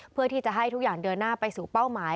เพื่อที่จะให้ทุกอย่างเดินหน้าไปสู่เป้าหมาย